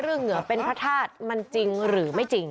เหงื่อเป็นพระธาตุมันจริงหรือไม่จริง